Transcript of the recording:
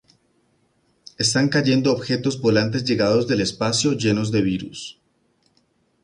Están cayendo objetos volantes llegados del espacio llenos de virus.